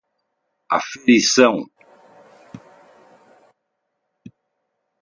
aferição